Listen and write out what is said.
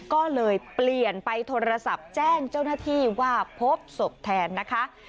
ก็เลยเปลี่ยนไปโทรศัพท์แจ้งเจ้าหน้าที่ว่าพบศพแทนนะคะ